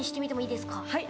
はい。